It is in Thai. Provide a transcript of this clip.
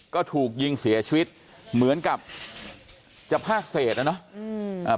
ก็ถูกยิงเสียชีวิตเหมือนกับจะพากเศษนะเนาะ